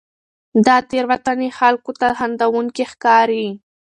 دا تېروتنې خلکو ته خندوونکې ښکاري.